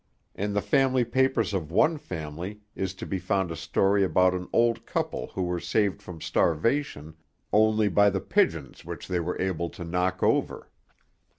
In the family papers of one family is to be found a story about an old couple who were saved from starvation only by the pigeons which they were able to knock over.